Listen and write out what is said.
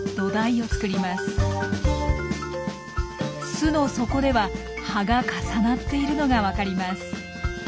巣の底では葉が重なっているのがわかります。